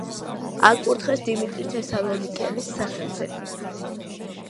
აკურთხეს დიმიტრი თესალონიკელის სახელზე.